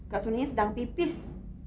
kak suninya sedang pipis